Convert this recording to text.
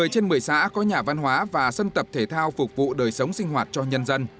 một mươi trên một mươi xã có nhà văn hóa và sân tập thể thao phục vụ đời sống sinh hoạt cho nhân dân